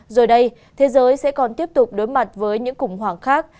rồi đây thế giới sẽ còn tiếp tục đối mặt với những khủng hoảng khác